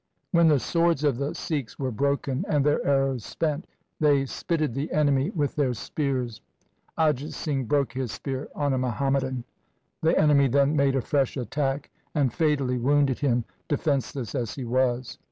When the LIFE OF GURU GOBIND SINGH 189 swords of the Sikhs were broken and their arrows spent, they spitted the enemy with their spears. A jit Singh broke his spear on a Muhammadan. The enemy then made a fresh attack and fatally wounded him, defenceless as he was.